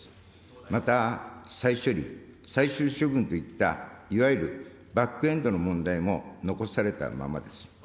また、再処理、最終処分といったいわゆるバックエンドの問題も残されたままです。